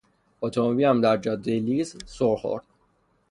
اتومبیلم در جادهی لیز سر خورد.